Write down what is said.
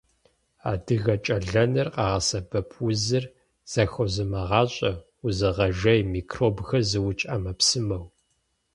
Адыгэкӏэлэныр къагъэсэбэп узыр зэхозымыгъащӏэ, узыгъэжей, микробхэр зыукӏ ӏэмэпсымэу.